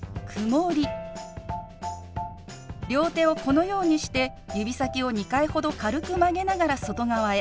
両手をこのようにして指先を２回ほど軽く曲げながら外側へ。